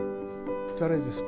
誰ですか？